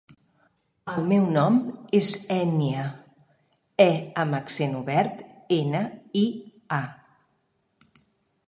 El meu nom és Ènia: e amb accent obert, ena, i, a.